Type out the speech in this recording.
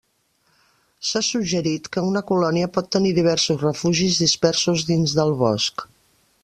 S'ha suggerit que una colònia pot tenir diversos refugis dispersos dins del bosc.